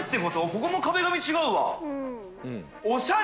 ここも壁紙違うわ！